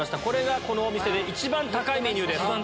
これがこのお店で一番高いメニューです。